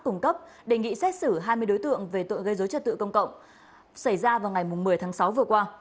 cung cấp đề nghị xét xử hai mươi đối tượng về tội gây dối trật tự công cộng xảy ra vào ngày một mươi tháng sáu vừa qua